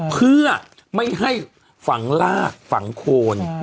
เพื่อไม่ให้ฝังลากฝังโคน